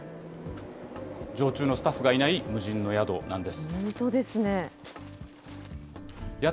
常駐のスタッフがいない無人の宿なんです。